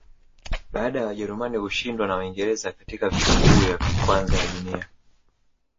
Baada ya Wajerumani kushindwa na Waingereza katika Vita Kuu ya Kwanza ya dunia